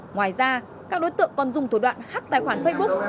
ngoài ra các đối tượng còn dùng thủ đoạn hắc tài khoản facebook